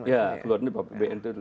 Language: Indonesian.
ya keluar dari apbn